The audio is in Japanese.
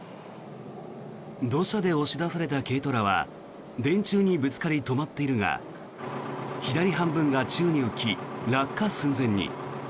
土砂で押し出された軽トラは電柱にぶつかり止まっているが左半分が宙に浮き落下寸前に。